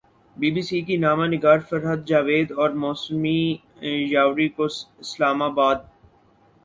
be B C کی نامہ نگار فرحت جاوید اور موسی یاوری کو اسلام آباد